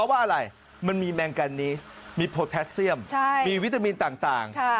ว่าอะไรมันมีแมงแกนิสมีโพแทสเซียมมีวิตามินต่าง